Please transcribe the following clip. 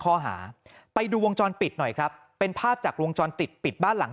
ข้อหาไปดูวงจรปิดหน่อยครับเป็นภาพจากวงจรปิดปิดบ้านหลัง